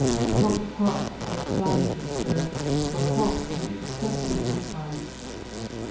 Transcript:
Not the crop that was planted, suh, but the crop that he expected to plant.